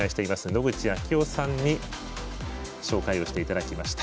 野口啓代さんに紹介をしていただきました。